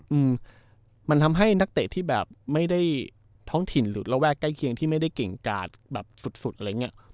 อืมมันทำให้นักเตะที่แบบไม่ได้ท้องถิ่นหรือระแวกใกล้เคียงที่ไม่ได้เก่งกาดแบบสุดสุดอะไรอย่างเงี้ย